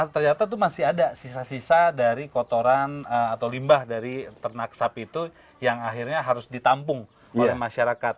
ternyata itu masih ada sisa sisa dari kotoran atau limbah dari ternak sapi itu yang akhirnya harus ditampung oleh masyarakat